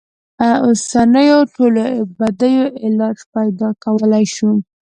اوسنیو ټولو بدیو علاج پیدا کولای شو.